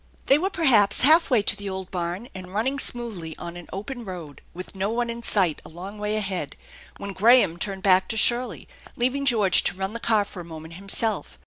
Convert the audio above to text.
They were perhaps half way to the old barn and running smoothly on an open road, with no one in sight a long way ahead, when Graham turned back to Shirley, leaving George 70 THE ENCHANTED BARN to run the car for a moment himself.